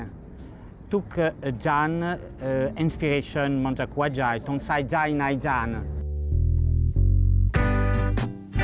และอีกจ่างเป็นนึกถึงเหมาะทั้งเกายกกันบทในเกณฑ์